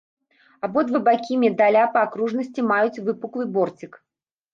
Абодва бакі медаля па акружнасці маюць выпуклы борцік.